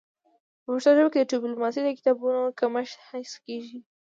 په پښتو ژبه کي د ډيپلوماسی د کتابونو کمښت حس کيږي.